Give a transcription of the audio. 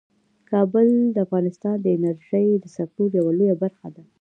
کابل د افغانستان د انرژۍ د سکتور یوه لویه برخه ده.